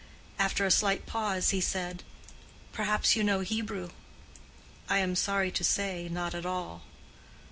After a slight pause, he said, "Perhaps you know Hebrew?" "I am sorry to say, not at all."